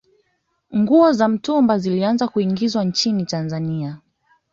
nguo za mitumba zilianza kuingizwa nchini tanzania